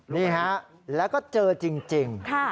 นี่ฮะแล้วก็เจอจริง